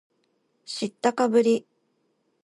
知ったかぶり